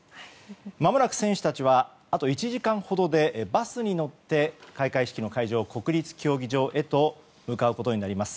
まもなく選手たちはあと１時間ほどでバスに乗って開会式の会場国立競技場へと向かうことになります。